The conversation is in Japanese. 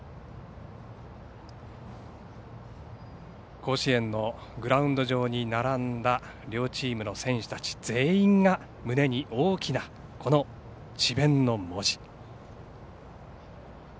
甲子園のグラウンド上に並んだ両チームの選手たち全員が胸に大きな智弁の文字。